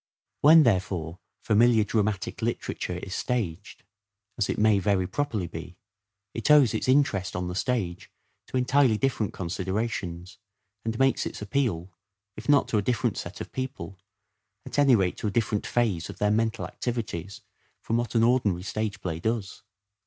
When, therefore, familiar dramatic literature is " shake staged, as it may very properly be, it owes its interest on the stage to entirely different considerations, and makes its appeal, if not to a different set of people, at any rate to a different phase of their mental activities from what an ordinary stage play does.